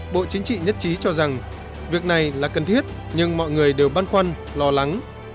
bộ chính trị nhất trí cho rằng việc này là cần thiết nhưng mọi người đều băn khoăn lo lắng